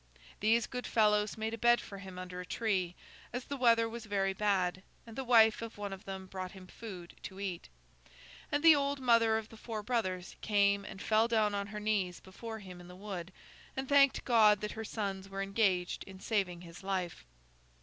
These good fellows made a bed for him under a tree, as the weather was very bad; and the wife of one of them brought him food to eat; and the old mother of the four brothers came and fell down on her knees before him in the wood, and thanked God that her sons were engaged in saving his life.